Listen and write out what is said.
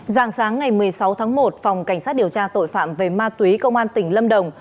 giàng sáng ngày một mươi sáu tháng một phòng cảnh sát điều tra tội phạm về ma túy công an tỉnh lâm đồng